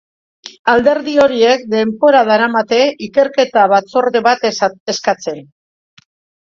Alderdi horiek denbora daramate ikerketa batzorde bat eskatzen.